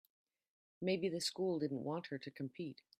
Maybe the school didn't want her to compete.